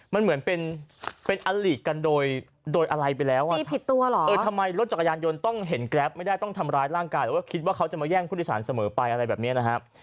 มันเหมือนเป็นอลีกกันโดยอะไรไปแล้วอ่ะมีผิดตัวเหรอเออทำไมรถจักรยานยนต์ต้องเห็นแกรปไม่ได้ต้องทำร้ายร่างกายหรือว่าคิดว่าเขาจะมาแย่งผู้โดยสารเสมอไปอะไรแบบนี้นะครับ